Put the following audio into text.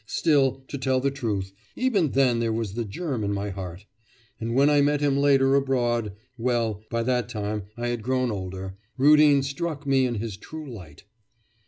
Still, to tell the truth, even then there was the germ in my heart. And when I met him later abroad... well, by that time I had grown older.... Rudin struck me in his true light.